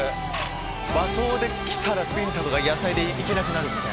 和装で来たらビンタとか野菜でいけなくなる。